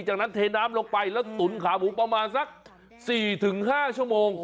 จากนั้นเทน้ำลงไปแล้วตุ๋นขาหมูประมาณสัก๔๕ชั่วโมง